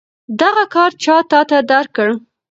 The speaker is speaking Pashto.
دغه کارت چا تاته درکړ؟